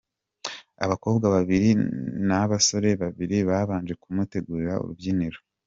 Abakobwa babiri n'abasore babiri babanje kumutegurira urubyiniro.